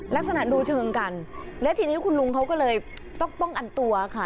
ลักษณะดูเชิงกันและทีนี้คุณลุงเขาก็เลยต้องป้องกันตัวค่ะ